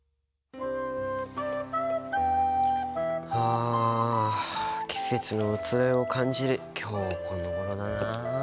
あ季節の移ろいを感じる今日このごろだな。